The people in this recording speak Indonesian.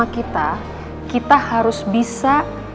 kita harus bisa